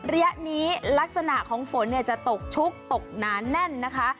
ระยะนี้ลักษณะของฝนจะตกชุกตกหนาแน่นนะคะ